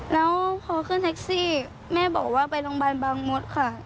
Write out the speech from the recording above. แล้วพอขึ้นแท็กซี่แม่บอกว่าไปโรงพยาบาลบางมดค่ะ